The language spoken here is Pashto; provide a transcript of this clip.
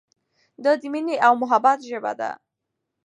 دا د مینې او محبت ژبه ده.